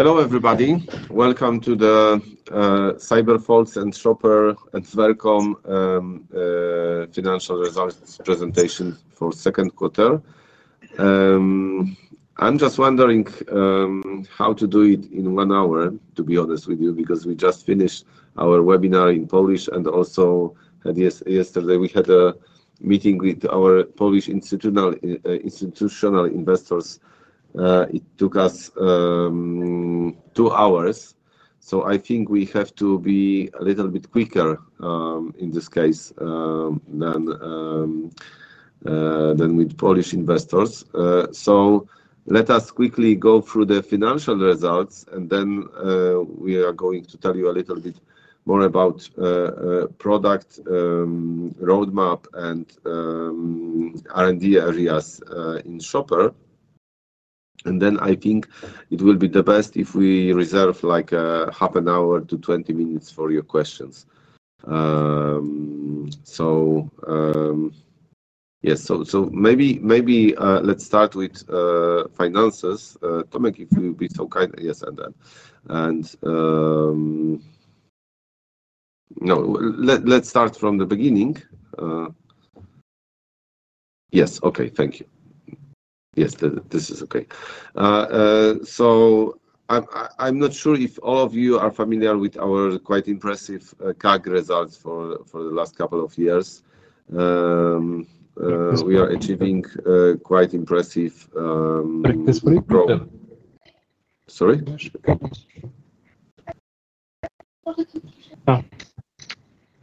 Hello, everybody. Welcome to the Cyberfaults and Shopper and Svercom financial results presentation for second quarter. I'm just wondering how to do it in one hour, to be honest with you, because we just finished our webinar in Polish. And also, yes yesterday, we had a meeting with our Polish institutional investors. It took us two hours, so I think we have to be a little bit quicker in this case than than with Polish investors. So let us quickly go through the financial results, and then we are going to tell you a little bit more about product road map and r and d areas in Shopper. And then I think it will be the best if we reserve, like, half an hour to twenty minutes for your questions. So yes. So so maybe maybe let's start with finances. Tomik, if you would be so kind. Yes, Adnan. And, no. Let let's start from the beginning. Yes. Okay. Thank you. Yes. This is okay. So I'm I'm not sure if all of you are familiar with our quite impressive CAC results for for the last couple of years. We are achieving quite impressive Sorry?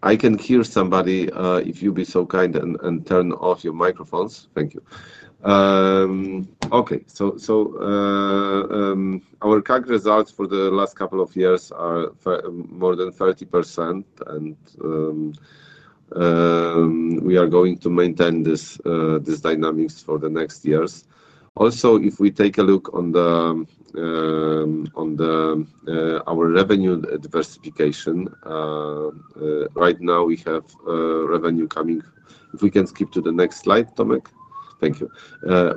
I can hear somebody if you be so kind and and turn off your microphones. Thank you. Okay. So so our CAC results for the last couple of years are more than 30%, and we are going to maintain this this dynamics for the next years. Also, if we take a look on the our revenue diversification, right now, we have revenue coming. If we can skip to the next slide, Tomik. Thank you.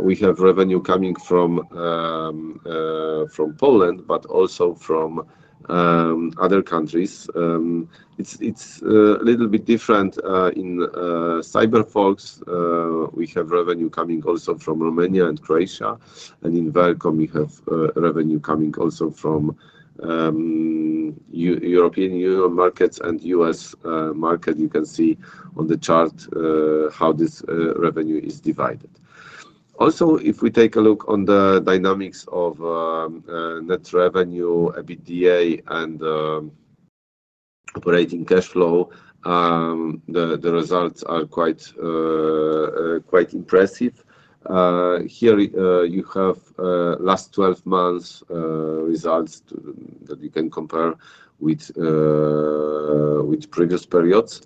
We have revenue coming from Poland, but also from other countries. It's a little bit different. In CyberFox, we have revenue coming also from Romania and Croatia. And in Vericom, we have revenue coming also from European Union markets and U. S. Market. You can see on the chart how this revenue is divided. Also, if we take a look on the dynamics of net revenue, EBITDA and operating cash flow, the results are quite impressive. Here, you have last twelve months results that you can compare with previous periods.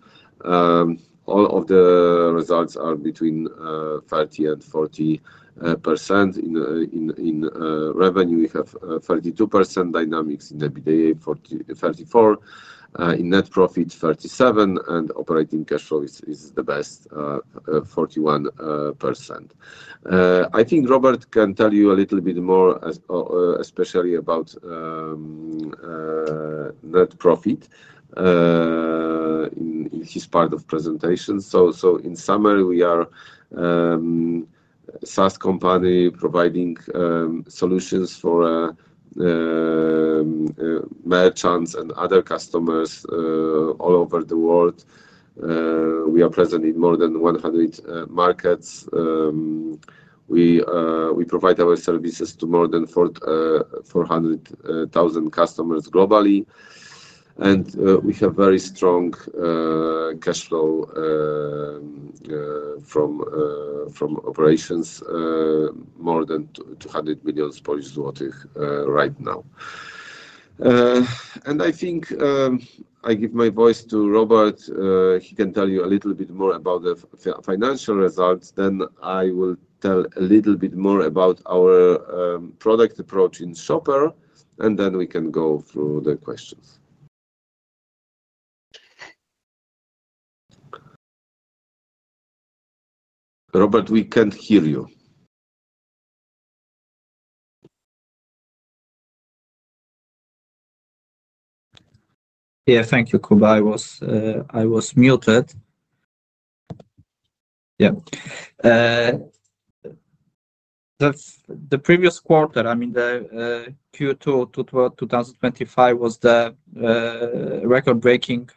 All of the results are between 3040%. In revenue, we have 32% dynamics in EBITDA, 34 in net profit, 37% and operating cash flow is the best, 41%. I think Robert can tell you a little bit more especially about net profit in his part of presentation. So so in summary, we are a SaaS company providing solutions for merchants and other customers all over the world. We are present in more than 100 markets. We provide our services to more than 400,000 customers globally. And we have very strong cash flow from operations, more than SEK 200,000,000 right now. And I think I give my voice to Robert. He can tell you a little bit more about the financial results, then I will tell a little bit more about our product approach in Shopper, and then we can go through the questions. Robert, we can't hear you. Yes. Thank you, Kubay. I was muted. Yes. The previous quarter, I mean, the Q2 twenty twenty five was the record breaking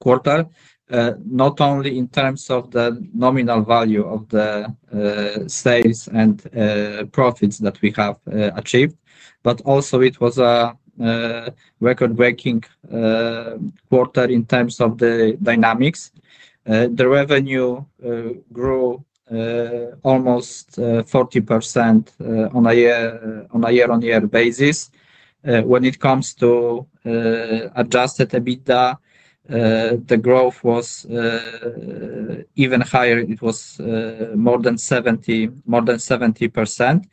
quarter, not only in terms of the nominal value of the sales and profits that we have achieved, but also it was a record breaking quarter in terms of the dynamics. The revenue grew almost 40% on a year on year basis. When it comes to adjusted EBITDA, the growth was even higher. It was more than 70%.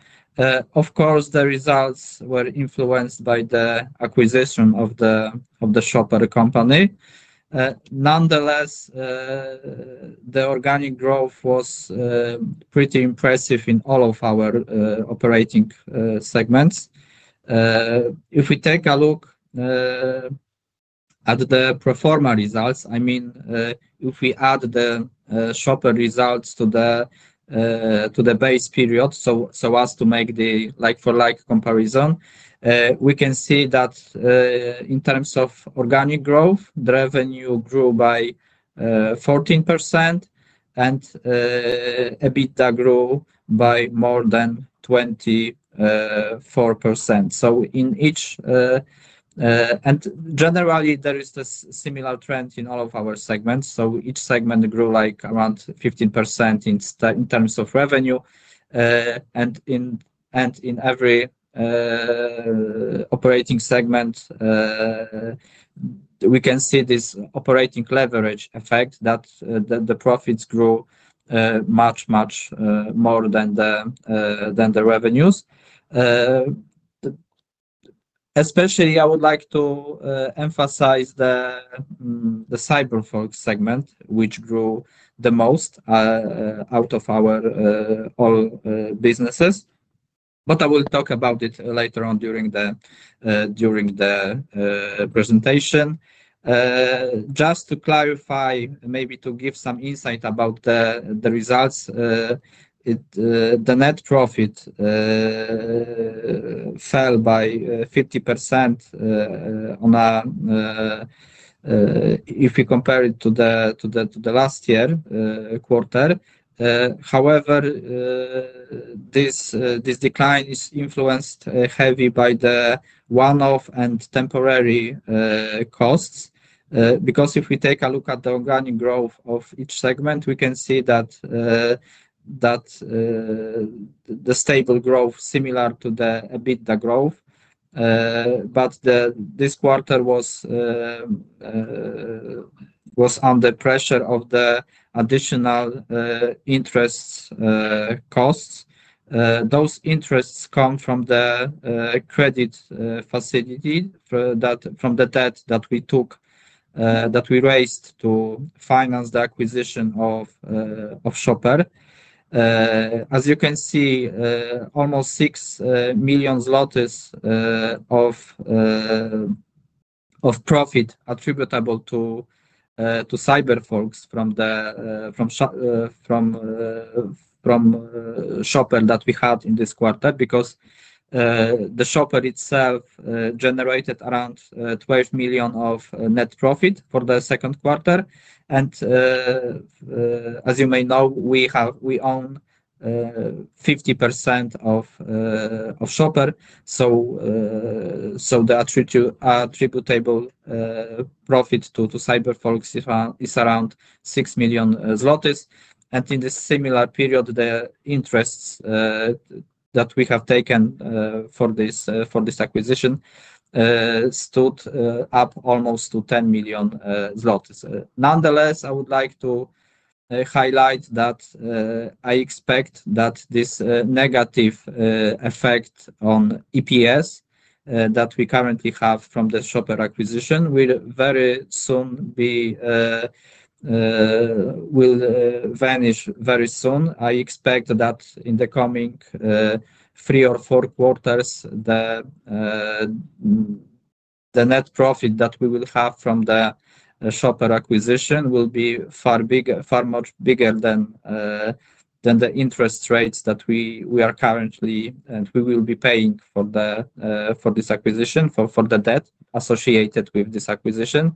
Of course, the results were influenced by the acquisition of the Schottberg company. Nonetheless, the organic growth was pretty impressive in all of our operating segments. If we take a look at the pro form a results, I mean, if we add the shopper results to the base period, so as to make the like for like comparison, we can see that in terms of organic growth, the revenue grew by 14% and EBITDA grew by more than 24%. So in each and generally, there is a similar trend in all of our segments. So each segment grew, like, around 15% in in terms of revenue. And in and in every operating segment, we can see this operating leverage effect that the profits grew much, much more than the than the revenues. Especially, would like to emphasize the Cyberfolk segment, which grew the most out of our all businesses. But I will talk about it later on during the presentation. Just to clarify, maybe to give some insight about the results, it the net profit fell by 50% on a if we compare it to the last year quarter. However, this decline is influenced heavy by the one off and temporary costs. Because if we take a look at the organic growth of each segment, we can see that the stable growth similar to the EBITDA growth. But this quarter was under pressure of the additional interest costs. Those interests come from the credit facility that from the debt that we took that we raised to finance the acquisition of Shopper. As you can see, almost 6,000,000 profit attributable to CyberForks from the Shopper that we had in this quarter because the Shopper itself generated around million of net profit for the second quarter. And as you may know, we have we own 50% of of Shopper. So so the attribute attributable profit to CyberForks is around 6,000,000. And in the similar period, the interests that we have taken for this acquisition stood up almost to 10,000,000. Nonetheless, I would like to highlight that I expect that this negative effect on EPS that we currently have from the Shopper acquisition will very soon be will vanish very soon. I expect that in the coming three or four quarters, the net profit that we will have from the Shopper acquisition will be far bigger far much bigger than the interest rates that we are currently and we will be paying for the for this acquisition, for the debt associated with this acquisition.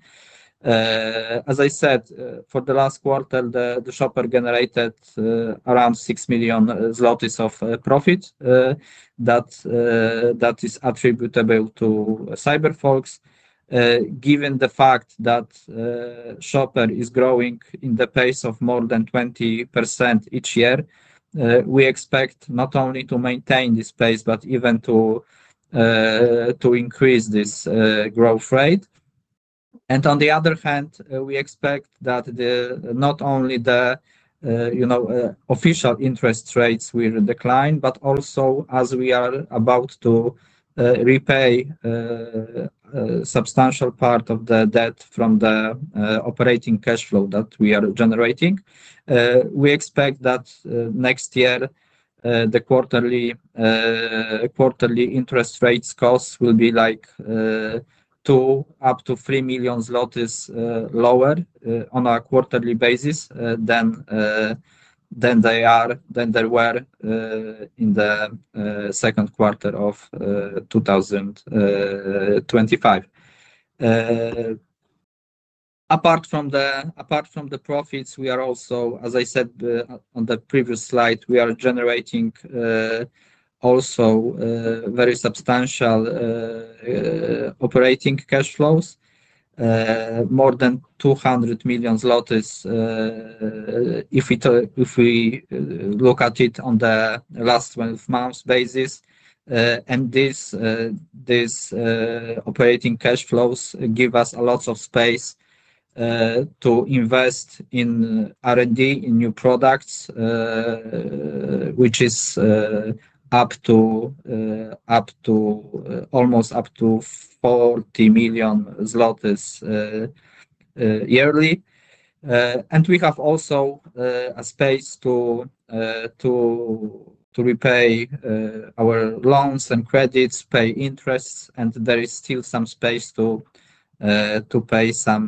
As I said, for the last quarter, the shopper generated around 6,000,000 of profit that that is attributable to Cyberfolks. Given the fact that Shopper is growing in the pace of more than 20% each year, we expect not only to maintain this pace but even to increase this growth rate. And on the other hand, we expect that the not only the, you know, official interest rates will decline, but also as we are about to repay a substantial part of the debt from the operating cash flow that we are generating. We expect that next year, the quarterly interest rates cost will be like two up to 3,000,000 zloty lower on a quarterly basis than they are than they were in the 2025. Apart from the profits, we are also, as I said on the previous slide, we are generating also very substantial operating cash flows, more than million if we look at it on the last twelve months basis. And this operating cash flows give us a lot of space to invest in r and d, in new products, which is up to up to almost up to 40,000,000 zlotus yearly. And we have also a space to to repay our loans and credits, pay interest, and there is still some space to pay some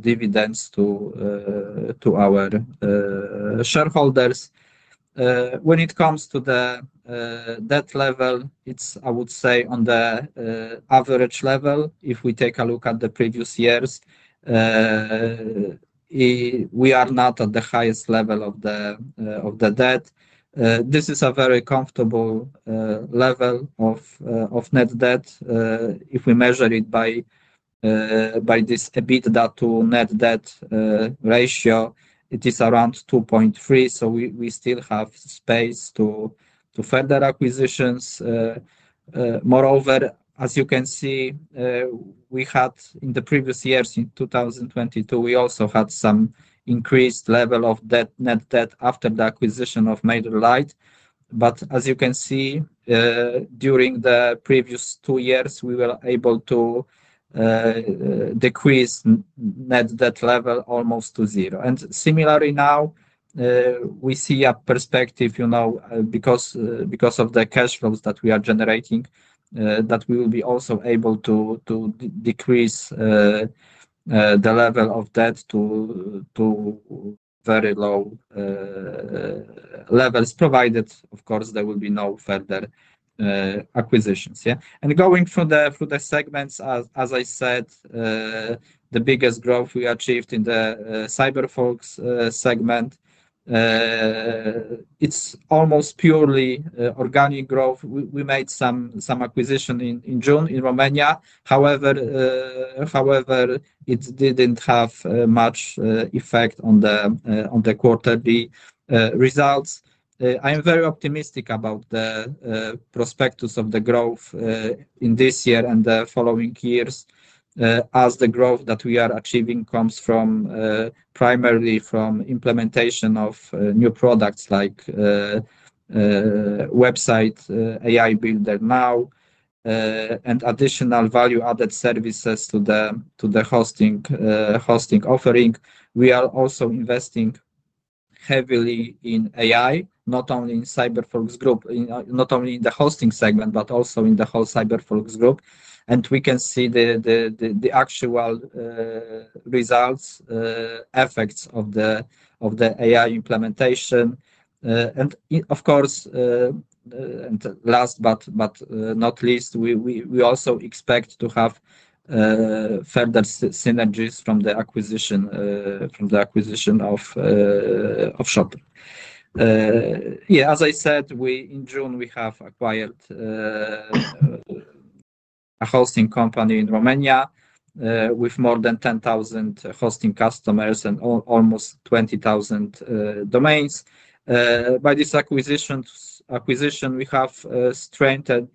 dividends to to our shareholders. When it comes to the debt level, it's, I would say, on the average level. If we take a look at the previous years, we are not at the highest level of the debt. This is a very comfortable level of net debt. If we measure it by this EBITDA to net debt ratio, it is around 2.3. So we still have space to further acquisitions. Moreover, as you can see, we had in the previous years, in 2022, we also had some increased level of debt net debt after the acquisition of Maider Light. But as you can see, during the previous two years, we were able to decrease net debt level almost to zero. And similarly now, we see a perspective, you know, because because of the cash flows that we are generating, that we will be also able to to decrease the level of debt to to very low levels provided, of course, there will be no further acquisitions. Yeah? And going for the for the segments, as as I said, the biggest growth we achieved in the Cyberfolks segment, It's almost purely organic growth. We we made some some acquisition in in June in Romania. However however, it didn't have much effect on the on the quarter b results. I am very optimistic about the prospectus of the growth in this year and the following years as the growth that we are achieving comes from primarily from implementation of new products like website AI Builder Now and additional value added services to the to the hosting hosting offering, We are also investing heavily in AI, only in CyberForks group not only in the hosting segment, but also in the whole CyberForks group. And we can see the the the the actual results, effects of the of the AI implementation. And, of course, last but but not least, we we we also expect to have further synergies from the acquisition from the acquisition of of Shopee. Yeah. As I said, we in June, we have acquired a hosting company in Romania with more than 10,000 hosting customers and almost 20,000 domains. By this acquisitions acquisition, we have strengthened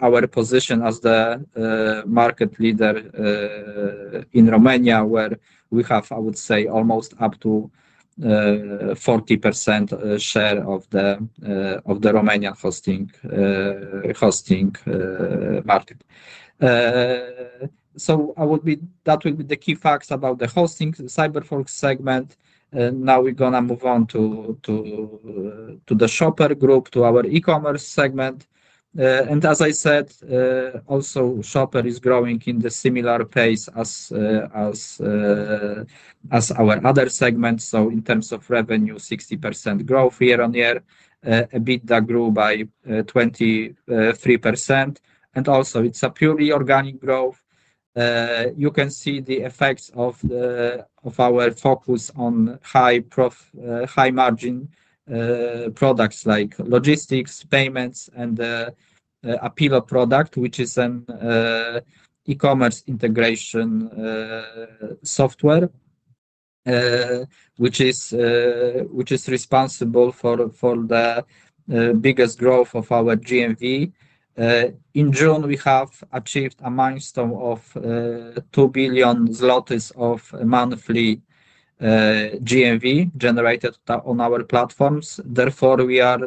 our position as the market leader in Romania where we have, I would say, almost up to 40% share of the of the Romania hosting hosting market. So I would be that will be the key facts about the hosting, the CyberForks segment. And now we're gonna move on to to to the shopper group, to our ecommerce segment. And as I said, also shopper is growing in the similar pace as our other segments. So in terms of revenue, 60% growth year on year. EBITDA grew by 23%. And also, it's a purely organic growth. You can see the effects of the of our focus on high pro high margin products like logistics, payments and the Apiva product, which is an ecommerce integration software, which is which is responsible for for the biggest growth of our GMV. In June, we have achieved a milestone of 2,000,000,000 of monthly GMV generated on our platforms. Therefore, we are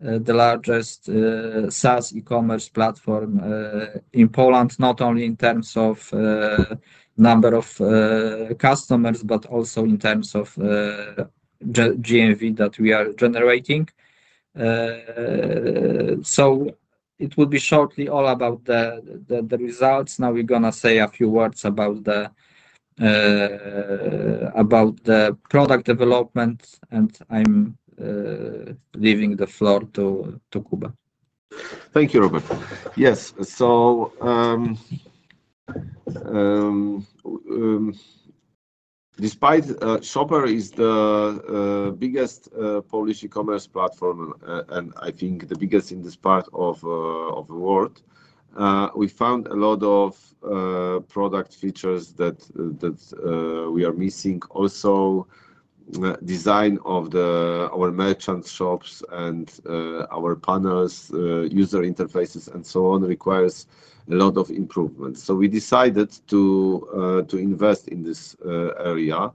the largest SaaS e commerce platform in Poland, not only in terms of number of customers, but also in terms of the GMV that we are generating. So it will be shortly all about the the the results. Now we're gonna say a few words about the about the product development, and I'm leaving the floor to to Kuba. Thank you, Robert. Yes. So Despite Shopper is the biggest Polish e commerce platform and I think the biggest in this part of of the world, we found a lot of product features that that we are missing. Also, design of the our merchant shops and our panels, user interfaces, and so on requires a lot of improvements. So we decided to to invest in this area.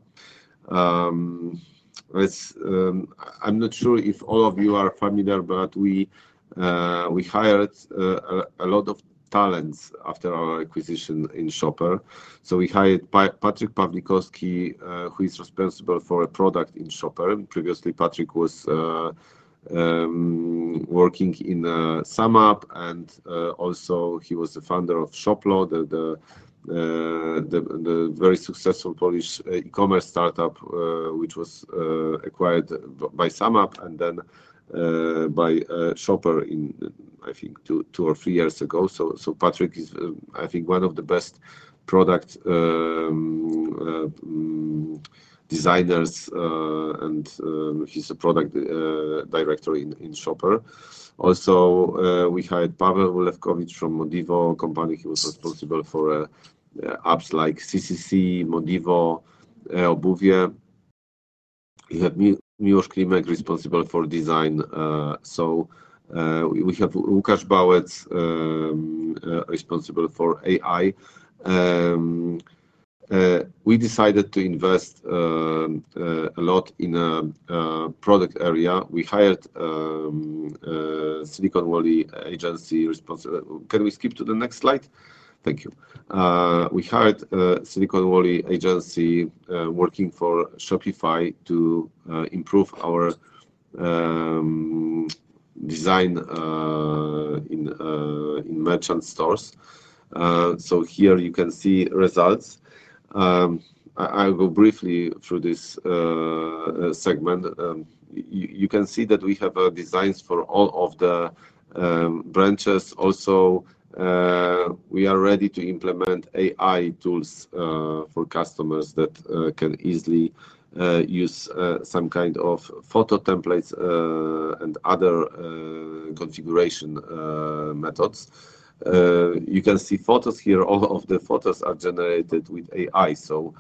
Let's I'm not sure if all of you are familiar, but we we hired a lot of talents after our acquisition in Shopper. So we hired Patrik Pavlikowski, who is responsible for a product in Shopper. Previously, Patrik was working in SumUp, and, also, he was the founder of ShopLoad, the the very successful Polish e commerce startup, which was acquired by Samap and then by Shopper in, I think, two two or three years ago. So so Patrick is, I think, one of the best product designers, and he's a product director in in Shopper. Also, we hired Pavel Ulevkovic from Mondivo, a company who was responsible for apps like CCC, Mondivo, Bovie. We have Miros Klimag responsible for design. So we have Ukash Bowet responsible for AI. We decided to invest a lot in a product area. We hired Silicon Valley Agency responsible can we skip to the next slide? Thank you. We hired Silicon Walli Agency working for Shopify to improve our design in merchant stores. So here, you can see results. I'll go briefly through this segment. You can see that we have designs for all of the branches. Also, we are ready to implement AI tools for customers that can easily use some kind of photo templates and other configuration methods. You can see photos here. All of the photos are generated with AI. So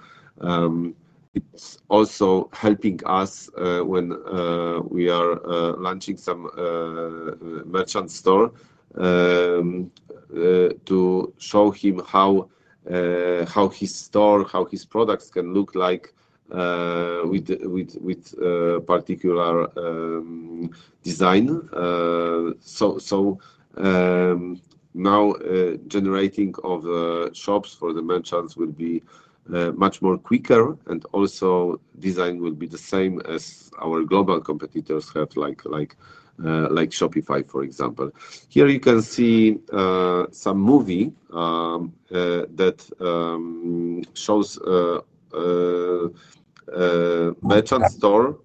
it's also helping us when we are launching some merchant store to show him how how his store, how his products can look like with with with particular design. So so now generating of shops for the merchants will be much more quicker, and also design will be the same as our global competitors have, like like like Shopify, for example. Here you can see some movie that shows merchant store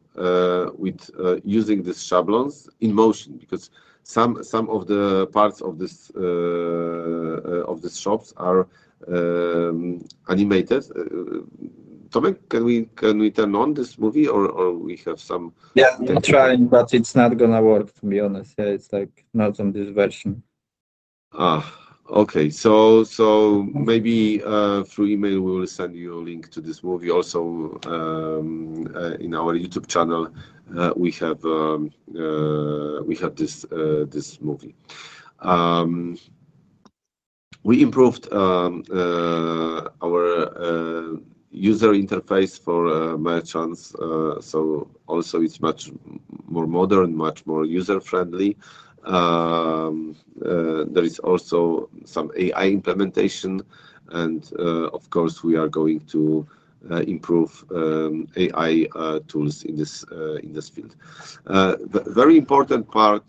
with using the Shablons in motion because some some of the parts of this of the shops are animated. Tomik, can we can we turn on this movie, or or we have some Yeah. I'm trying, but it's not gonna work, to be honest. Yeah. It's, like, not on this version. Okay. So so maybe through email, we will send you a link to this movie. Also, in our YouTube channel, we have we have this this movie. We improved our user interface for merchants. So, also, it's much more modern, much more user friendly. There is also some AI implementation. And, of course, we are going to improve AI tools in this in this field. The very important part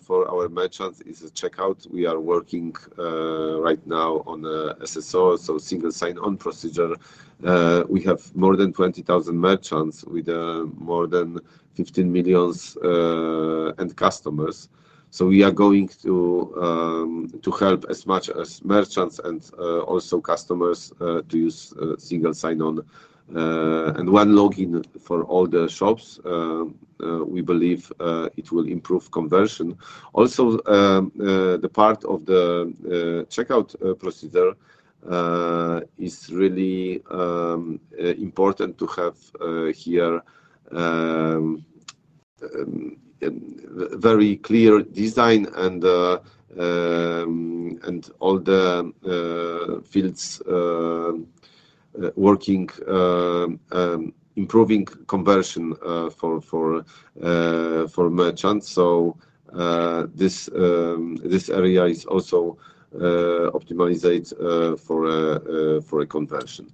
for our merchants is the checkout. We are working right now on SSO, so single sign on procedure. We have more than 20,000 merchants with more than 15 millions and customers. So we are going to to help as much as merchants and also customers to use single sign on. And one login for all the shops, we believe it will improve conversion. Also, the part of the checkout procedure is really important to have here a very clear design and and all the fields working improving conversion for merchants. So this area is also optimized for a conversion.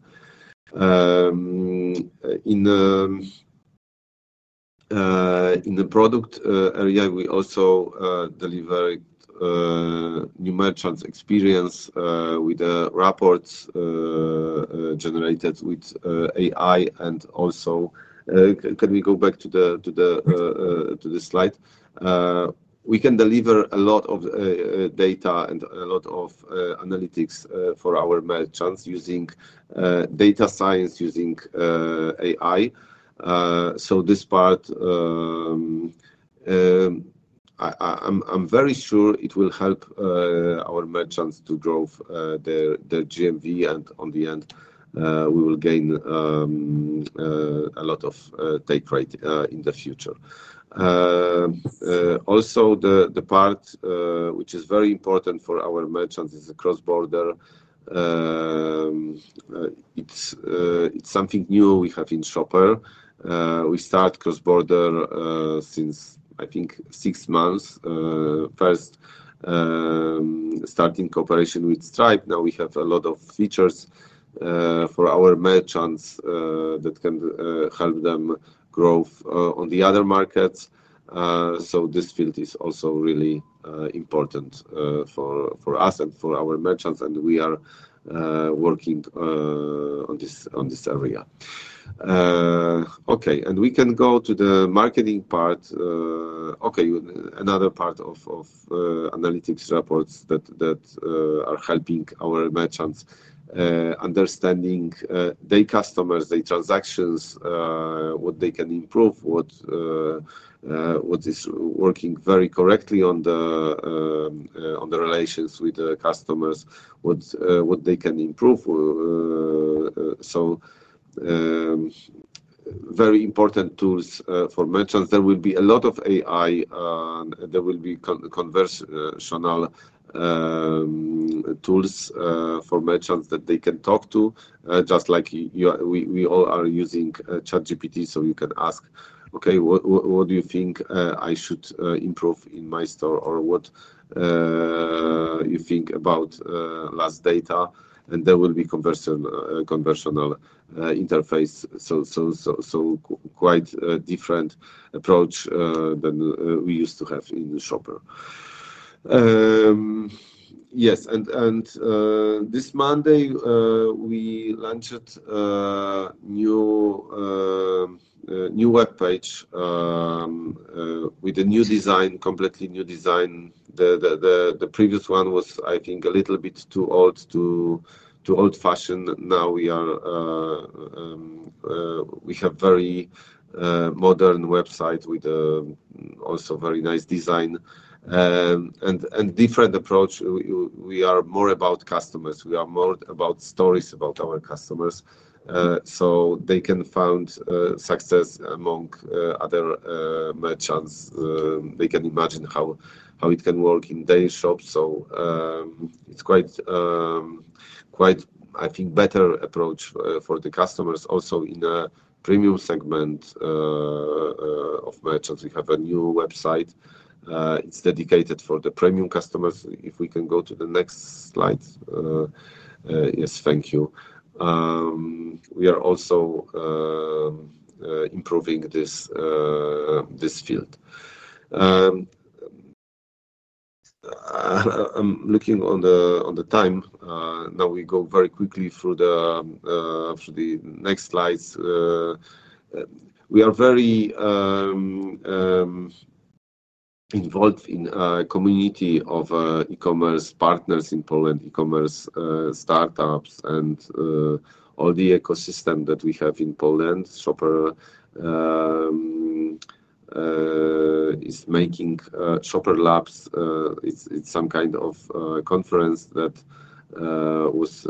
In the product area, we also deliver new merchants experience with the reports generated with AI. And also, can we go back to the to the the slide? We can deliver a lot of data and a lot of analytics for our merchants using data science, using AI. So this part, I'm I'm very sure it will help our merchants to grow the the GMV. And on the end, we will gain a lot of take rate in the future. Also, the the part which is very important for our merchants is a cross border. It's it's something new we have in Shopper. We start cross border since, I think, six months. First, starting cooperation with Stripe. Now we have a lot of features for our merchants that can help them grow on the other markets. So this field is also really important for for us and for our merchants, and we are working on this on this area. Okay. And we can go to the marketing part. Okay. Another part of of analytics reports that that are helping our merchants understanding their customers, their transactions, what they can improve, what what is working very correctly on the on the relations with the customers, what's what they can improve. So very important tools for merchants. There will be a lot of AI. There will be con conversational tools for merchants that they can talk to just like you we we all are using ChatGPT, so you can ask, okay. What what what do you think I should improve in my store or what you think about last data? And there will be conversion conversational interface. So so so so quite a different approach than we used to have in the shopper. Yes. And and this Monday, we launched a new new web page with a new design completely new design. The the the the previous one was, I think, a little bit too old to too old fashioned. Now we are we have very modern website with also very nice design and and different approach. We are more about customers. We are more about stories about our customers so they can found success among other merchants. They can imagine how how it can work in their shops. So it's quite quite, I think, better approach for the customers also in a premium segment of merchants. We have a new website. It's dedicated for the premium customers. If we can go to the next slide. Yes, thank you. We are also improving this field. I'm looking on the time. Now we go very quickly through the next slides. We are very involved in a community of ecommerce partners in Poland, ecommerce startups, and all the ecosystem that we have in Poland. Shopper is making Shopper Labs. It's it's some kind of conference that was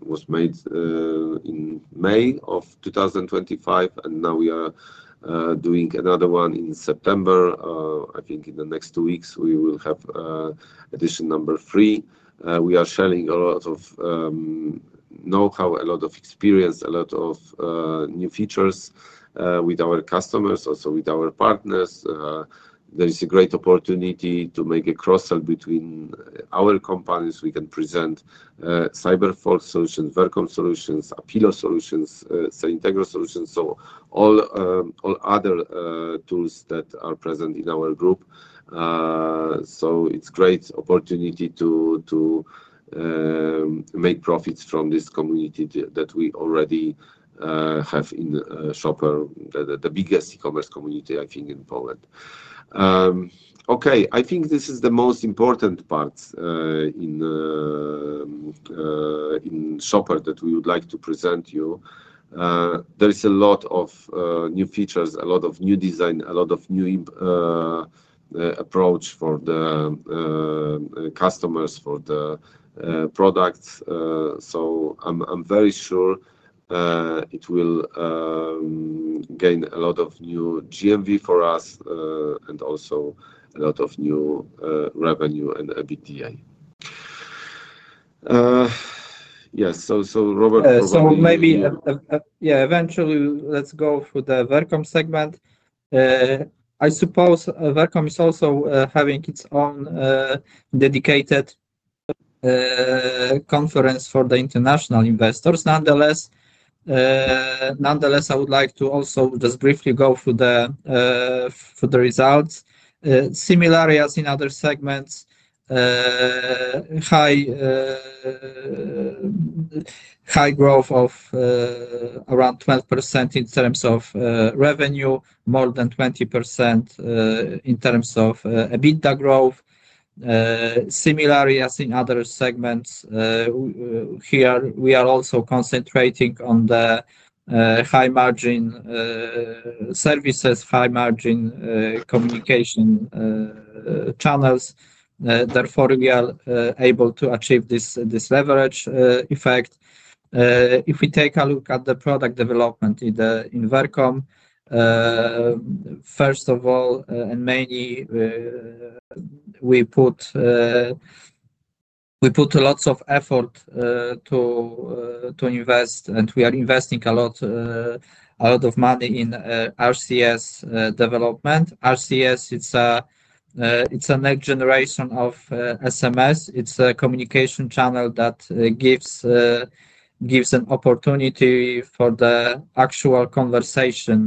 was made in May 2025, and now we are doing another one in September. I think in the next two weeks, we will have addition number three. We are sharing a lot of know how, a lot of experience, a lot of new features with our customers, also with our partners. There is a great opportunity to make a cross sell between our companies. We can present CyberFault solutions, Vercom solutions, Apila solutions, Cyntegra solutions, so all all other tools that are present in our group. So it's great opportunity to to make profits from this community that we already have in Shopper, the the biggest e commerce community, I think, in Poland. Okay. I think this is the most important part in in Shopper that we would like to present you. There is a lot of new features, a lot of new design, a lot of new approach for the customers, for the products. So I'm I'm very sure it will gain a lot of new GMV for us and also a lot of new revenue and EBITDA. Yes. So so Robert So maybe yeah. Eventually, let's go for the welcome segment. I suppose welcome is also having its own dedicated conference for the international investors. Nonetheless nonetheless, I would like to also just briefly go for the for the results. Similar areas in other segments, high growth of around 12% in terms of revenue, more than 20% in terms of EBITDA growth. Similarly, as in other segments, here, we are also concentrating on the high margin services, high margin communication channels. Therefore, we are able to achieve this this leverage, effect. If we take a look at the product development in the in Vercom, first of all, and mainly, we put we put lots of effort, to to invest, and we are investing a lot, a lot of money in, RCS, development. RCS, it's it's a next generation of SMS. It's a communication channel that gives gives an opportunity for the actual conversation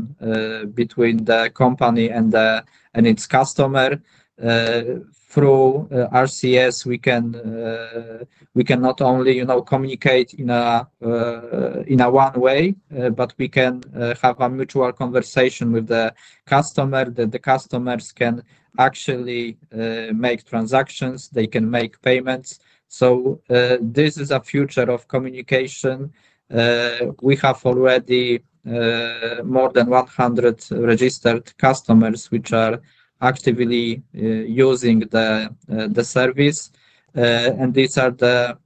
between the company and the and its customer. Through RCS, we can we can not only, you know, communicate in a in a one way, but we can have a mutual conversation with the customer that the customers can actually make transactions. They can make payments. So this is a future of communication. We have already more than 100 registered customers which are actively using the service. And these are the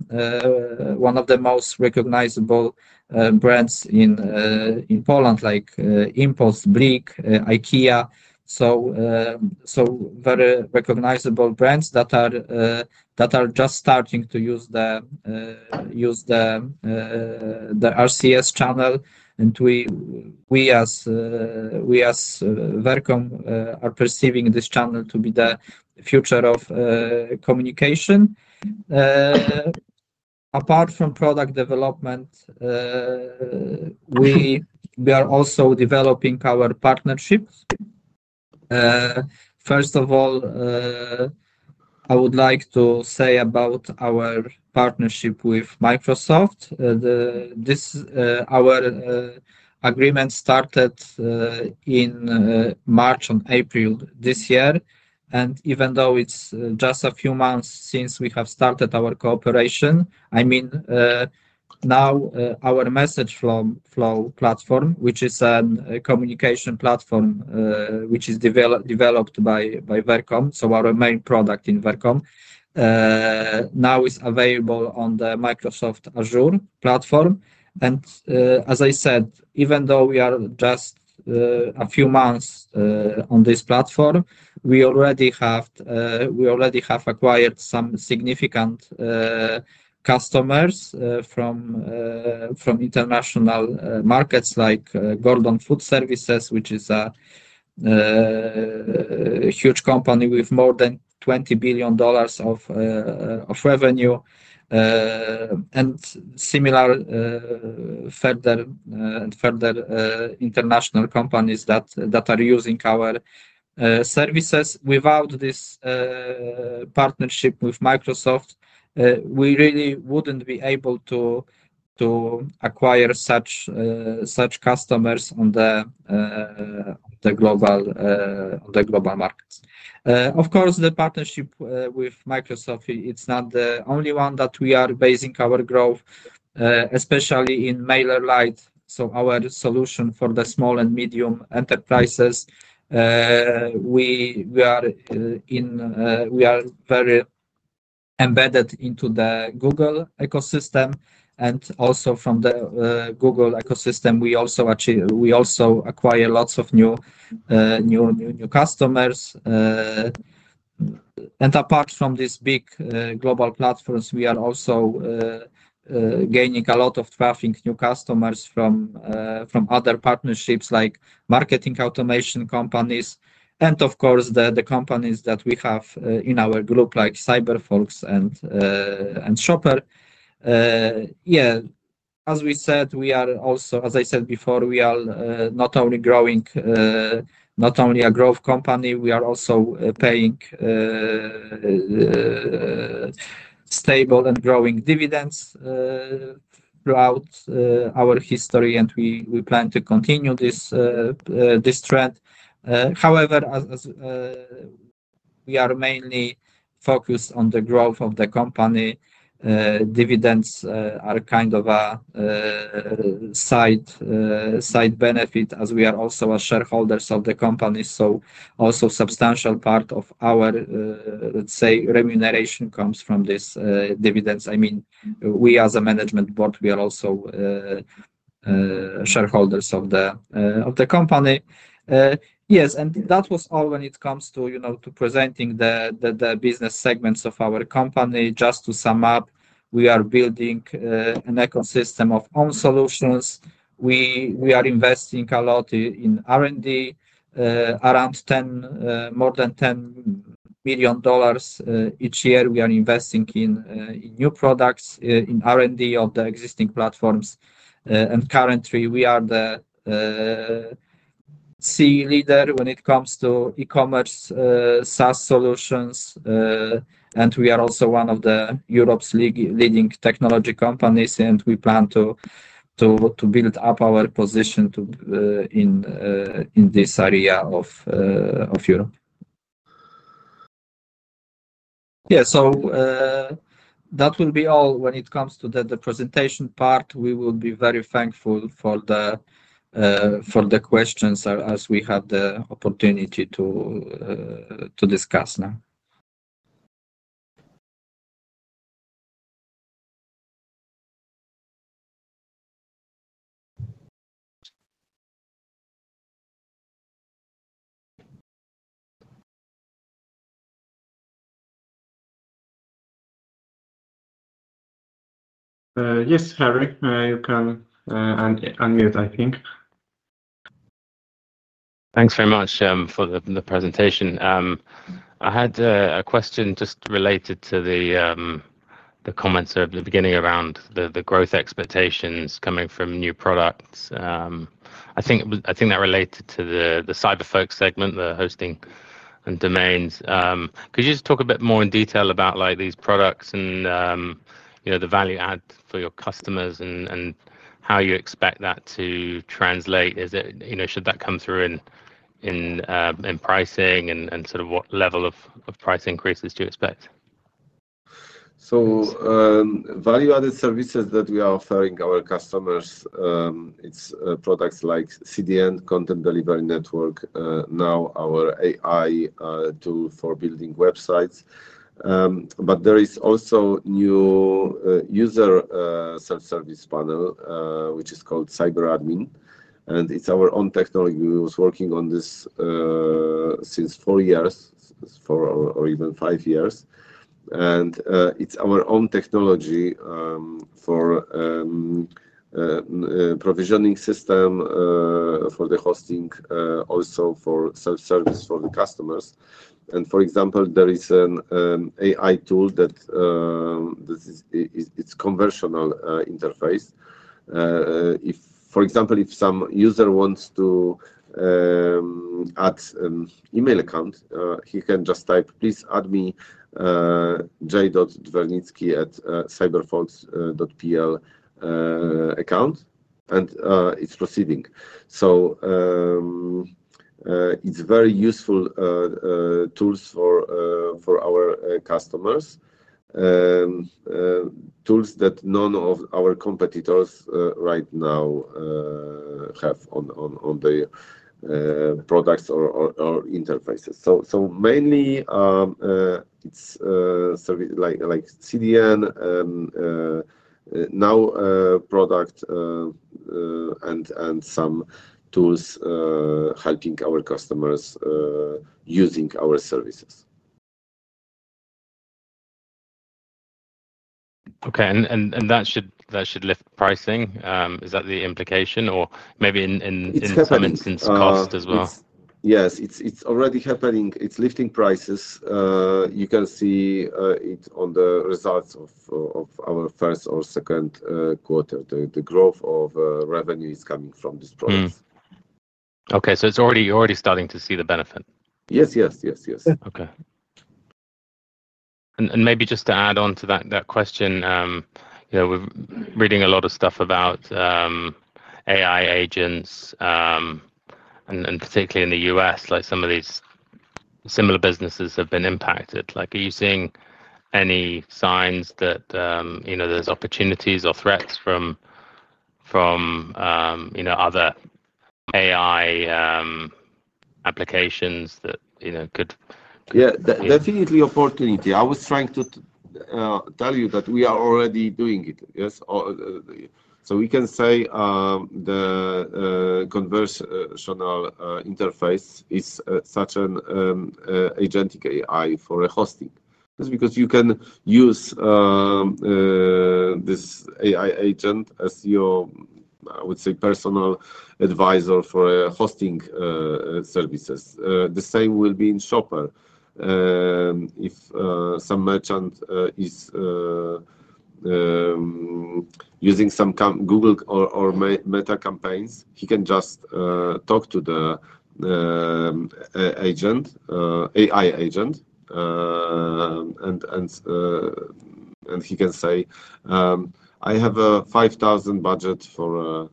one of the most recognizable brands in in Poland, like Impost, BRIK, IKEA. So so very recognizable brands that are that are just starting to use the use the RCS channel, and we we as we as Vericom are perceiving this channel to be the future of communication. Apart from product development, we we are also developing our partnerships. First of all, I would like to say about our partnership with Microsoft. The this our agreement started in March and April this year. And even though it's just a few months since we have started our cooperation, I mean, now our message flow flow platform, which is a communication platform, which is developed by by Vercom, so our main product in Vercom, now is available on the Microsoft Azure platform. And as I said, even though we are just a few months on this platform, we already have we already have acquired some significant customers from from international markets like Golden Food Services, which is a huge company with more than $20,000,000,000 of of revenue and similar further further international companies that that are using our services. Without this partnership with Microsoft, we really wouldn't be able to to acquire such such customers on the the global the global markets. Of course, the partnership with Microsoft, it's not the only one that we are basing our growth, especially in MailerLite. So our solution for the small and medium enterprises, we we are in we are very embedded into the Google ecosystem. And also from the Google ecosystem, we also we also acquire lots of new new new new customers. And apart from these big global platforms, we are also gaining a lot of traffic, new customers from from other partnerships like marketing automation companies and, of course, the the companies that we have in our group like CyberForks and and Shopper. Yeah. As we said, we are also as I said before, we are not only growing not only a growth company, we are also paying stable and growing dividends throughout our history, and we plan to continue this trend. However, as we are mainly focused on the growth of the company, Dividends are kind of a side side benefit as we are also a shareholders of the company. So also substantial part of our, let's say, remuneration comes from these dividends. I mean, we as a management board, we are also shareholders of the of the company. Yes. And that was all when it comes to, you know, to presenting the the the business segments of our company. Just to sum up, we are building an ecosystem of own solutions. We we are investing a lot in r and d around 10 more than $10,000,000,000 each year. We are investing in new products, in r and d of the existing platforms. And currently, we are the sea leader when it comes to ecommerce SaaS solutions, and we are also one of the Europe's league leading technology companies, and we plan to to to build up our position to in in this area of of Europe. Yeah. So that will be all when it comes to the presentation part. We will be very thankful for the questions as we have the opportunity to discuss now. Yes, Harry. You can unmute, I think. Thanks very much for the presentation. I had a question just related to the comments at the beginning around the growth expectations coming from new products. I think I think that related to the the cyber folks segment, the hosting and domains. Could you just talk a bit more in detail about, like, these products and, you know, the value add for your customers and and how you expect that to translate? Is it should that come through in pricing? And sort of what level of price increases do you expect? So value added services that we are offering our customers, it's products like CDN, content delivery network, now our AI tool for building websites. But there is also new user self-service panel, which is called CyberAdmin, and it's our own technology. We was working on this since four years, four or or even five years. And it's our own technology for provisioning system for the hosting, also for self-service for the customers. And for example, there is an AI tool that this is it's it's conversational interface. If, for example, if some user wants to add an email account, he can just type, please add me j.dvernitsky@cyberfaults.placcount, and it's proceeding. So it's very useful tools for for our customers, tools that none of our competitors right now have on on on their products or or or interfaces. So so mainly, it's so we like like CDN, now product, and and some tools helping our customers using our services. Okay. And that should lift pricing? Is that the implication? Or maybe in Yes. Some instance, as It's already happening. It's lifting prices. You can see it on the results of our first or second quarter. The growth of revenue is coming from these products. Okay. So it's already you're already starting to see the benefit? Yes. Yes. Yes. Yes. Okay. And and maybe just to add on to that that question, you know, we're reading a lot of stuff about AI agents and and particularly in The US, like, some of these similar businesses have been impacted. Like, are you seeing any signs that, you know, there's opportunities or threats from from, you know, other AI applications that, you know, could Yeah. Definitely opportunity. I was trying to tell you that we are already doing it. Yes. So we can say the conversational interface is such an agentic AI for hosting. It's because you can use this AI agent as your, I would say, personal adviser for hosting services. The same will be in Shopper. If some merchant is using some com Google or or meta campaigns, he can just talk to the agent AI agent, and and he can say, I have a 5,000 budget for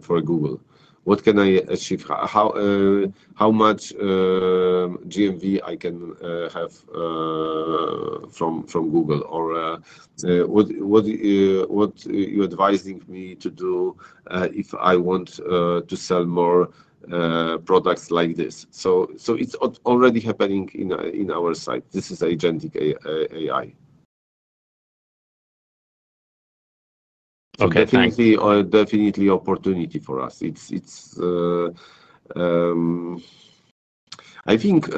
for Google. What can I achieve? How how much GMV I can have from from Google? Or what what what you're advising me to do if I want to sell more products like this. So so it's already happening in in our site. This is agentic AI. Okay. Thanks. Definitely opportunity for us. It's it's I think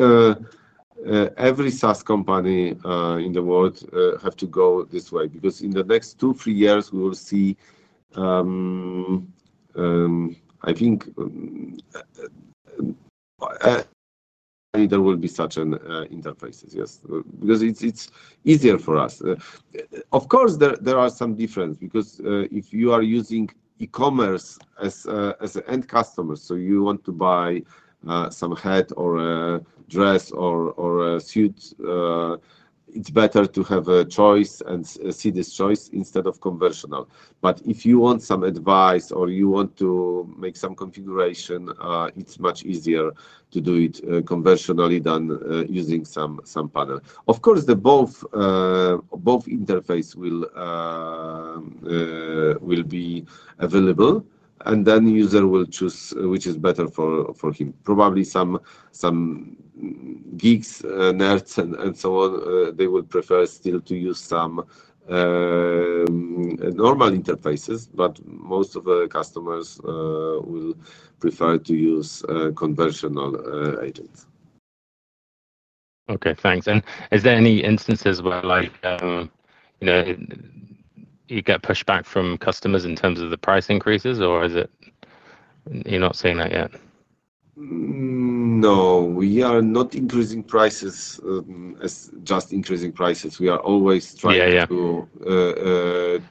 every SaaS company in the world have to go this way because in the next two, three years, we will see I think there will be such an interfaces. Yes. Because it's it's easier for us. Of course, there there are some difference because if you are using ecommerce as as an end customer, so you want to buy some hat or a dress or or a suit, it's better to have a choice and see this choice instead of conventional. But if you want some advice or you want to make some configuration, it's much easier to do it conventionally than using some panel. Of course, the both both interface will will be available, and then user will choose which is better for for him. Probably some some gigs, nets, and and so on, they would prefer still to use some normal interfaces, but most of the customers will prefer to use conventional agents. Okay. And is there any instances where, like, you get pushback from customers in terms of the price increases? Or is it you're not saying that yet? No. We are not increasing prices as just increasing prices. We are always trying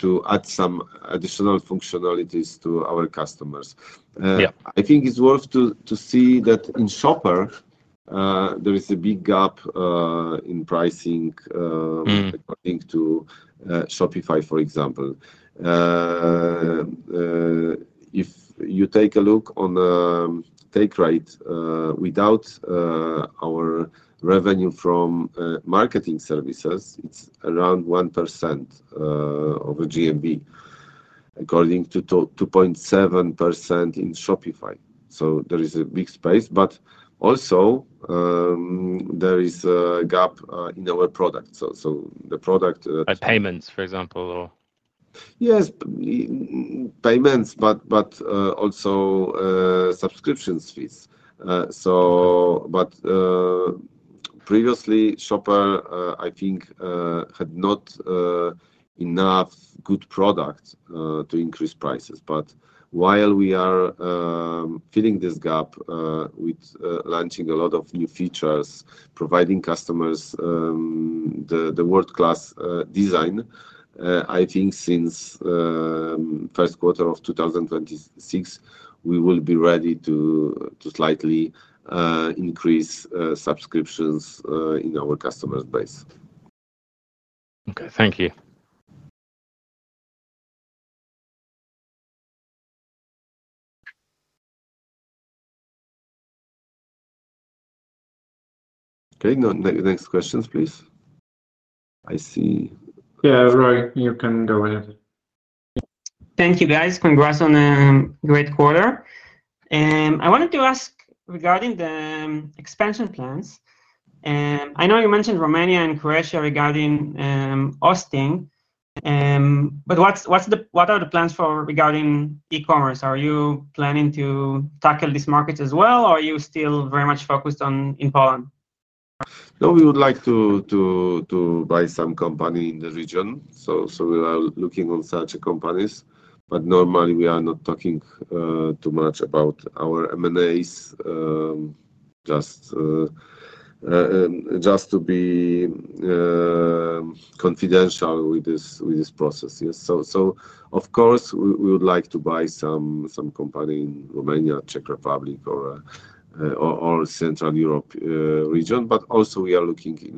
to add some additional functionalities to our customers. Yeah. I think it's worth to to see that in shopper, there is a big gap in pricing according to Shopify, for example. If you take a look on take rate without our revenue from marketing services, it's around 1% of the GMV according to 2.7% in Shopify. So there is a big space, but also there is a gap in our product. So so the product By payments, for example? Yes. Payments, but but also subscriptions fees. So but, previously, Shopper, I think, had not enough good products to increase prices. But while we are filling this gap with launching a lot of new features, providing customers world class design, I think since 2026, we will be ready to slightly increase subscriptions in our customers' base. Okay. Thank you. Okay. Now the next questions, please. I see Yeah. Roy, you can go ahead. Thank you, guys. Congrats on a great quarter. I wanted to ask regarding the expansion plans. I know you mentioned Romania and Croatia regarding Austin, but what's what's the what are the plans for regarding ecommerce? Are you planning to tackle these markets as well, or are you still very much focused on in Poland? No. We would like to to to buy some company in the region. So so we are looking on such companies. But, normally, we are not talking too much about our m and a's. Just to be confidential with this with this process. Yes. So so, of course, we we would like to buy some some company in Romania, Czech Republic, or Central Europe region, but also we are looking in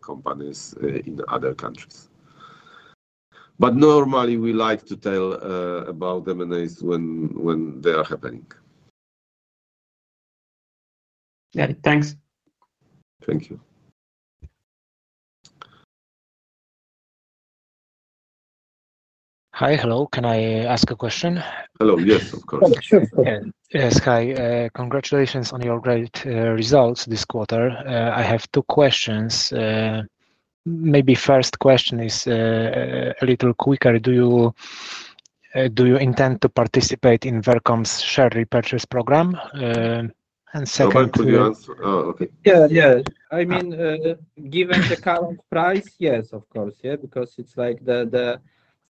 companies in other countries. But normally, we like to tell about M and As when they are happening. Got it. Thanks. Thank you. Hi. Hello. Can I ask a question? Hello. Yes. Of course. Sure. Yes. Hi. Congratulations on your great results this quarter. I have two questions. Maybe first question is a little quicker. Do you Do you intend to participate in Vercom's share repurchase program? Second Can you answer? Okay. Yes. Mean, given the current price, yes, of course. Yes. Because it's like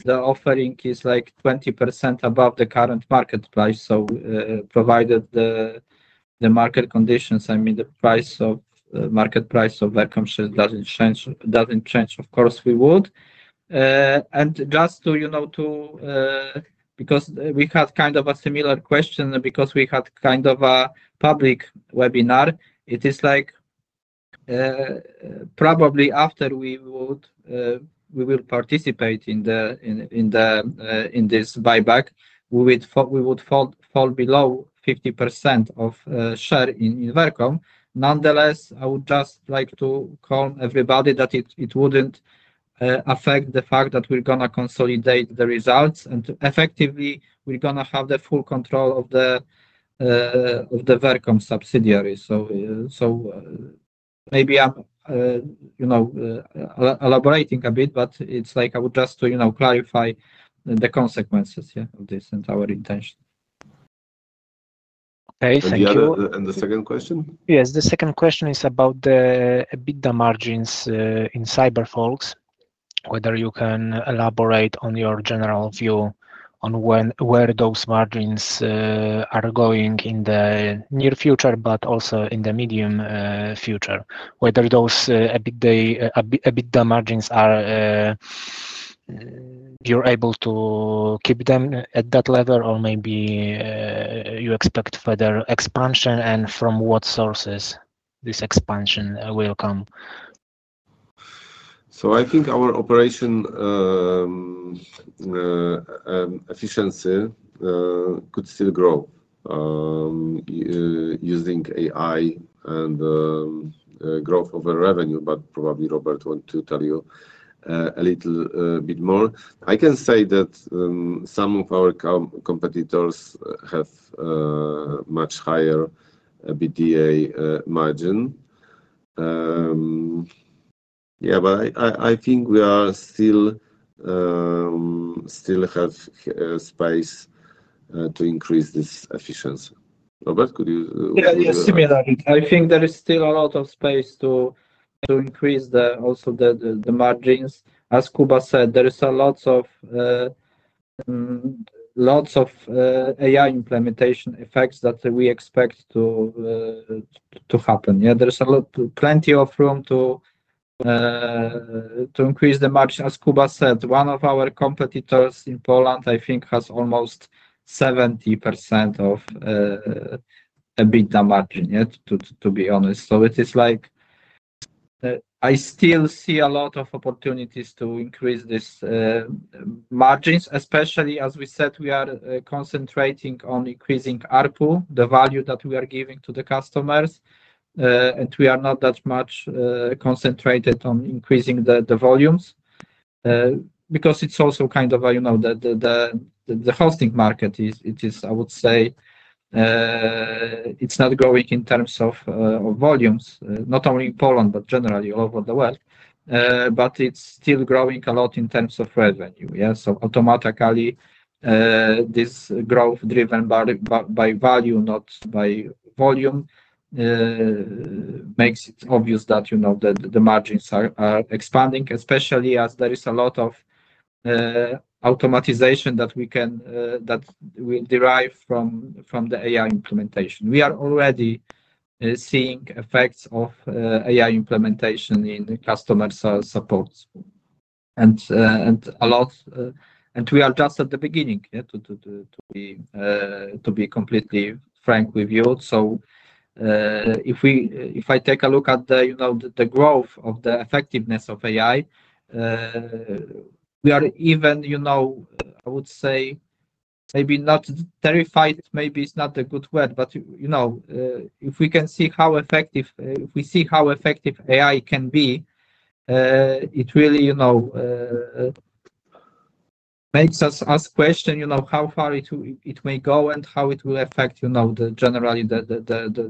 offering is like 20% above the current market price. So provided the market conditions, I mean, the price of market price of vacuum doesn't change, of course, we would. And just to, you know, to because we have kind of a similar question because we had kind of a public webinar. It is like, probably after we would we will participate in this buyback, we would fall below 50% of share in Vercom. Nonetheless, I would just like to call everybody that it wouldn't affect the fact that we're gonna consolidate the results. And effectively, we're gonna have the full control of the of the Vercom subsidiary. So so maybe I'm, you know, elaborating a bit, but it's like I would just to, you know, clarify the consequences, yeah, of this and our intention. Okay. Thank second question? Yes. The second question is about the EBITDA margins in CyberForks, whether you can elaborate on your general view on when where those margins are going in the near future, but also in the medium future, whether those EBITDA margins are you're able to keep them at that level or maybe you expect further expansion and from what sources this expansion will come? So I think our operation efficiency could still grow using AI and growth of our revenue, but probably Robert want to tell you a little bit more. I can say that some of our competitors have much higher EBITDA margin. Yeah. But I think we are still have space to increase this efficiency. Robert, could you Yes. Similar. I think there is still a lot of space to increase the also the margins. As Kuba said, there is a lots of AI implementation effects that we expect to happen. Yeah. There's a lot plenty of room to increase the margin. As Kuba said, one of our competitors in Poland, I think, has almost 70% of EBITDA margin, yes, to be honest. So it is like I still see a lot of opportunities to increase these margins, especially as we said, we are concentrating on increasing ARPU, the value that we are giving to the customers. And we are not that much concentrated on increasing the volumes because it's also kind of the hosting market. It is, I would say, it's not growing in terms of volumes, not only in Poland, but generally all over the world. But it's still growing a lot in terms of revenue. Yes? So automatically, this growth driven by value, not by volume, makes it obvious that the margins are expanding, especially as there is a lot of automatization that we can that will derive from the AI implementation. We are already seeing effects of AI implementation in customer support and a lot. And we are just at the beginning, to be completely frank with you. So if we if I take a look at the growth of the effectiveness of AI, We are even, you know, I would say, maybe not terrified. Maybe it's not a good word. But, you know, if we can see how effective if we see how effective AI can be, it really, you know, makes us ask question, you know, how far it it may go and how it will affect, you know, the generally, the the the the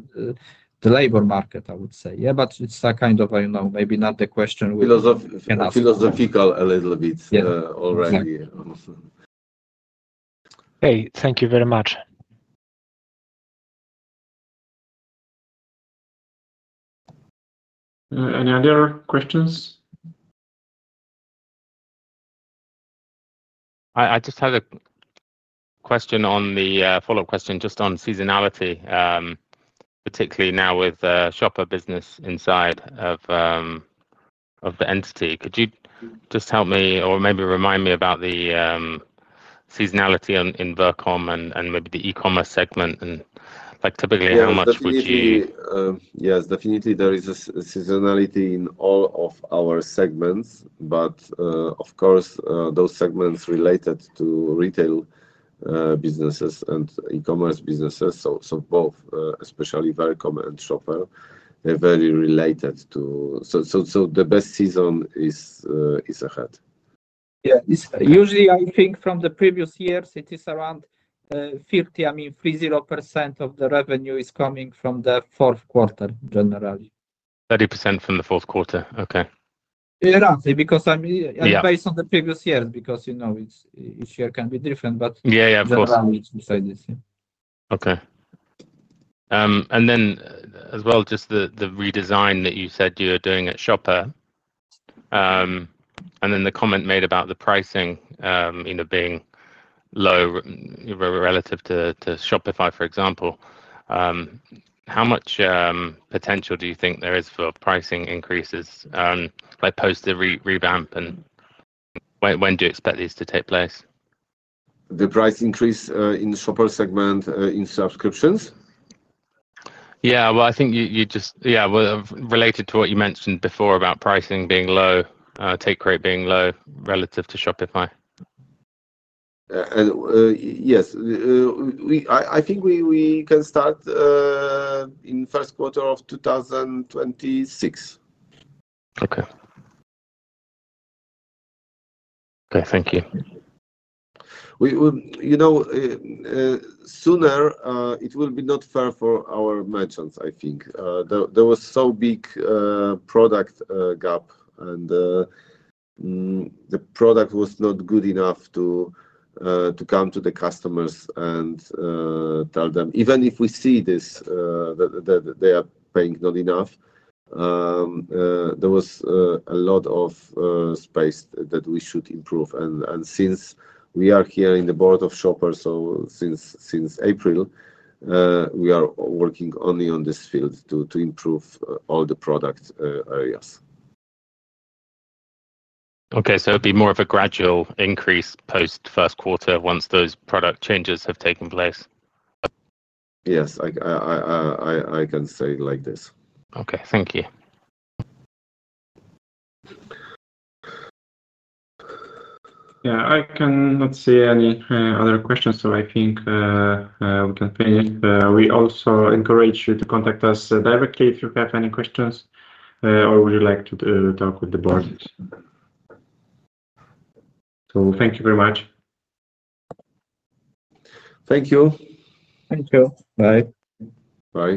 the labor market, I would say. Yeah. But it's a kind of, I don't know, maybe not a question It's philosophical a little bit already, almost. Any other questions? I just had a question on the follow-up question just on seasonality, particularly now with shopper business inside of the entity. Could you just help me or maybe remind me about the seasonality in Vercom and maybe the e commerce segment? And like, typically, how much would you Yes. Definitely, there is a seasonality in all of our segments. But, of course, those segments related to retail businesses and e commerce businesses. So both, especially Vericom and Shopper, they're very related to so the best season is ahead. Yeah. Usually, I think from the previous years, it is around 50. I mean, 30% of the revenue is coming from the fourth quarter, generally. 30% from the fourth quarter. Okay. Yeah. Because, I mean, based on the previous years because, you know, each each year can be different. But Yeah. Yeah. Of beside this. Yeah. Okay. And then as well just the the redesign that you said you are doing at Shopper and then the comment made about the pricing, you know, being low relative to Shopify, for example. How much potential do you think there is for pricing increases by post the revamp? And when do you expect these to take place? The price increase in the shopper segment in subscriptions? Yes. Well, I think you just yes, related to what you mentioned before about pricing being low, take rate being low relative to Shopify. Yes. I think we can start in 2026. Okay. K. Thank you. We would you know, sooner, it will be not fair for our merchants, I think. There there was so big product gap, and the product was not good enough to come to the customers and tell them, even if we see this, that that they are paying not enough, there was a lot of space that we should improve. And since we are here in the Board of Shoppers, so since April, we are working only on this field to improve all the product areas. Okay. So it'd be more of a gradual increase post first quarter once those product changes have taken place? Yes. I can say it like this. Okay. Thank you. Yeah. I cannot see any other questions, so I think we can finish. We also encourage you to contact us directly if you have any questions or would you like to to talk with the board. So thank you very much. Thank you. Thank you. Bye. Bye.